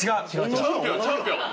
チャンピオンチャンピオン。